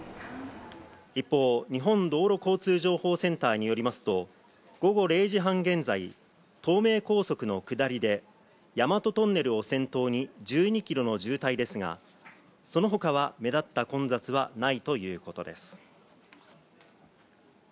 一方、日本道路交通情報センターによりますと午後０時半現在、東名高速の下りで大和トンネルを先頭に１２ｋｍの渋滞ですが、その他は目立った混雑はないということです。